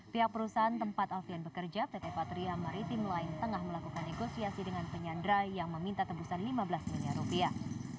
pihak perusahaan tempat alfian bekerja pt patria maritim lain tengah melakukan negosiasi dengan penyandra yang meminta tebusan lima belas miliar rupiah